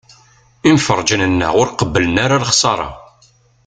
Imferrǧen-nneɣ ur qebblen ara lexṣara.